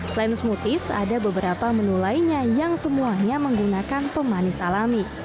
selain smoothies ada beberapa menu lainnya yang semuanya menggunakan pemanis alami